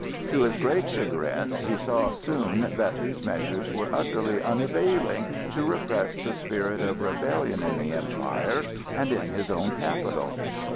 To his great chagrin he saw soon that these measures were utterly unavailing to repress the spirit of rebellion in the empire and in his own capital.